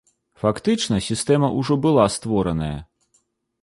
Фактычна, сістэма ўжо была створаная.